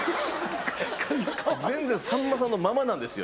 全然さんまさんのままなんですよ